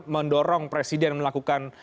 mendorong presiden melakukan